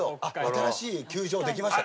新しい球場できました。